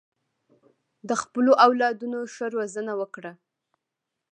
د خپلو اولادونو ښه روزنه وکړه.